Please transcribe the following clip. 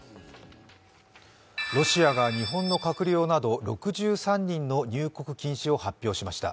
ロシアが日本の閣僚など６３人の入国禁止を発表しました。